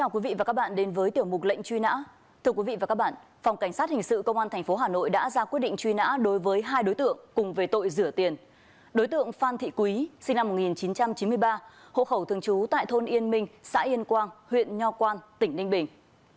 quý sinh năm một nghìn chín trăm chín mươi ba hộ khẩu thường trú tại thôn yên minh xã yên quang huyện nho quang tỉnh ninh bình